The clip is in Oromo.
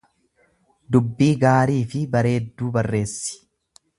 Dubbii gaarii fi bareedduu barreessi.